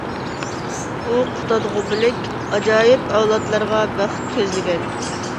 ئۇ «قۇتادغۇبىلىك» ئاجايىپ ئەۋلادلارغا بەخت كۆزلىگەن.